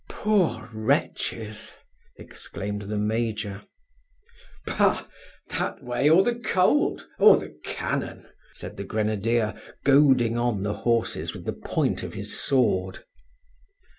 "Poor wretches!" exclaimed the major. "Bah! That way, or the cold, or the cannon!" said the grenadier, goading on the horses with the point of his sword.